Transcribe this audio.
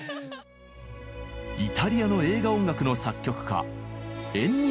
イタリアの映画音楽の作曲家